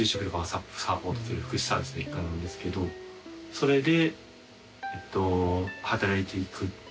それで。